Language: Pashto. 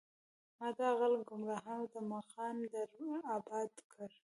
مــــــــا د عـــــــقل ګــــمراهانو د مغان در اباد کړی